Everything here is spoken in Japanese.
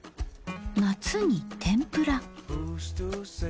夏に天ぷら。